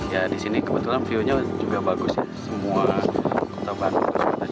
ya di sini kebetulan view nya juga bagus ya semua kota bandung